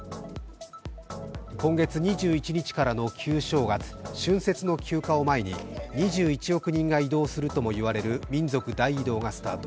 今月２１日からの旧正月・春節の休暇を前に２１億人が移動するとも言われる民族大移動がスタート。